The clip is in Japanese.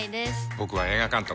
僕は映画監督。